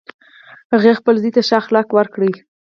هغې خپل زوی ته ښه اخلاق ورکړی